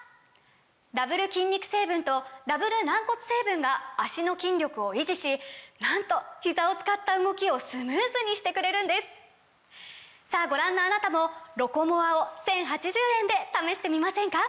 ダブル筋肉成分とダブル軟骨成分が脚の筋力を維持しなんとひざを使った動きをスムーズにしてくれるんですさぁご覧のあなたも「ロコモア」を１，０８０円で試してみませんか！